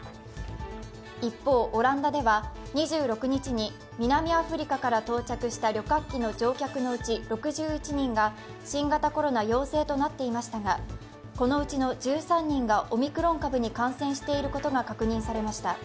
一方、オランダでは２６日に南アフリカから到着した旅客機の乗客のうち６１人が新型コロナ陽性となっていましたが、このうちの１３人がオミクロン株に感染していることが確認されました。